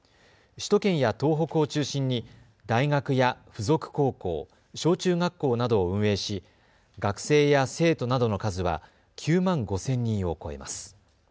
首都圏や東北を中心に大学や付属高校、小中学校などを運営し学生や生徒などの数は９万５０００人を超えます。